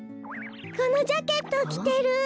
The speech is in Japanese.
このジャケットをきてる！